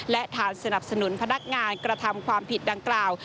และฐานสนับสนุนพนักงานกระทำความผิดดังกล่าว